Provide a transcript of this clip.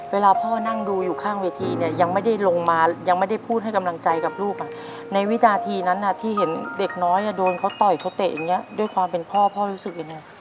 เวลาพ่อนั่งดูอยู่ข้างเวทีเนี่ยยังไม่ได้ลงมายังไม่ได้พูดให้กำลังใจกับลูกในวินาทีนั้นที่เห็นเด็กน้อยโดนเขาต่อยเขาเตะอย่างนี้ด้วยความเป็นพ่อพ่อรู้สึกยังไง